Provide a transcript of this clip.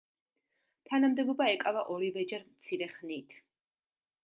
თანამდებობა ეკავა ორივეჯერ მცირე ხნით.